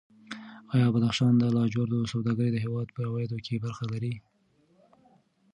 ایا د بدخشان د لاجوردو سوداګري د هېواد په عوایدو کې برخه لري؟